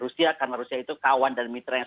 rusia karena rusia itu kawan dan mitra yang